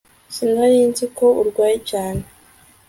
Sinari nzi ko urwaye cyane